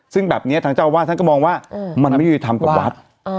ซึ่งแบบเนี้ยทางเจ้าว่าฉันก็มองว่ามันไม่มีวิธีธรรมกับวัดอ๋อ